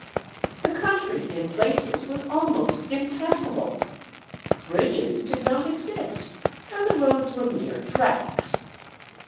The country in places was almost impassable. Bridges did not exist, and the roads were mere tracks.